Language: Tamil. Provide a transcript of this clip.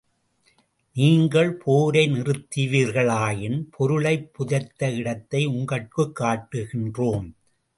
நீங்கள் போரை நிறுத்துவீர்களாயின் பொருளைப் புதைத்த இடத்தை உங்கட்குக் காட்டுகின்றோம்.